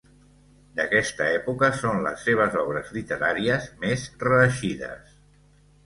D'aquesta època són les seves obres literàries més reeixides.